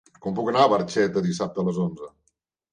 Com puc anar a Barxeta dissabte a les onze?